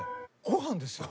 「ご飯ですよ」？